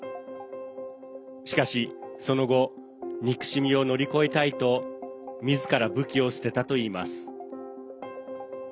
しかし、その後憎しみを乗り越えたいとみずから武器を捨てたといいます。